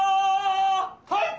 はい！